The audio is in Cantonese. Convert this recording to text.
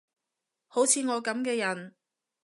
好似我噉嘅人